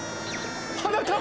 はなかっ